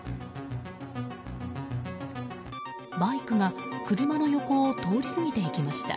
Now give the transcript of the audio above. バイクが車の横を通り過ぎていきました。